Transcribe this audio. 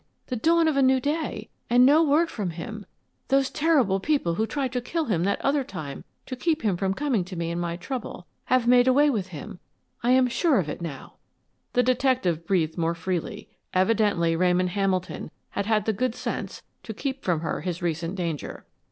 The dawn of a new day, and no word from him! Those terrible people who tried to kill him that other time to keep him from coming to me in my trouble have made away with him. I am sure of it now." The detective breathed more freely. Evidently Ramon Hamilton had had the good sense to keep from her his recent danger.